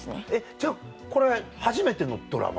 じゃあこれ初めてのドラマ？